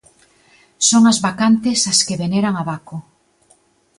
Son as bacantes as que veneran a Baco.